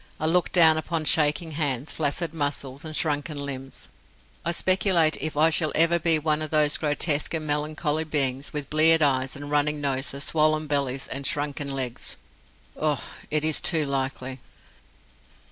I look down upon shaking hands, flaccid muscles, and shrunken limbs. I speculate if I shall ever be one of those grotesque and melancholy beings, with bleared eyes and running noses, swollen bellies and shrunken legs! Ugh! it is too likely.